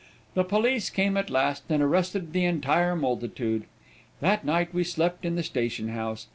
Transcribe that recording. The police came at last, and arrested the entire multitude. That night we slept in the station house.